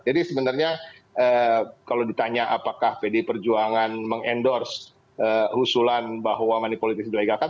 jadi sebenarnya kalau ditanya apakah pd perjuangan mengendorse usulan bahwa money politics melegalkan